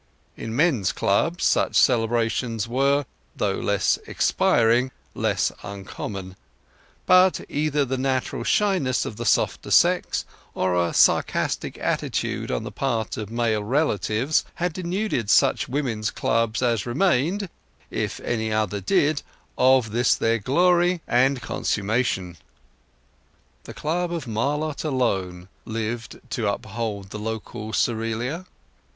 In men's clubs such celebrations were, though expiring, less uncommon; but either the natural shyness of the softer sex, or a sarcastic attitude on the part of male relatives, had denuded such women's clubs as remained (if any other did) or this their glory and consummation. The club of Marlott alone lived to uphold the local Cerealia.